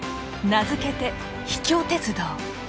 名付けて「秘境鉄道」。